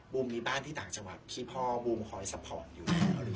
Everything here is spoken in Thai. มีบ้านที่ต่างจังหวัดที่พ่อบูมคอยซัพพอร์ตอยู่